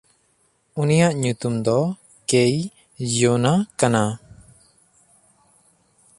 ᱩᱱᱤᱭᱟᱜ ᱧᱩᱛᱩᱢ ᱫᱚ ᱠᱮᱭᱤᱭᱚᱱᱟ ᱠᱟᱱᱟ᱾